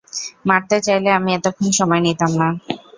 মারতে চাইলে আমি এতক্ষণ সময় নিতাম না।